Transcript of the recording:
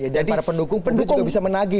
jadi para pendukung juga bisa menagi